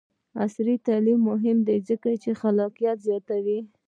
عصري تعلیم مهم دی ځکه چې خلاقیت زیاتوي.